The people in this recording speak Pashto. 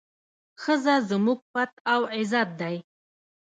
ښځه زموږ پت او عزت دی.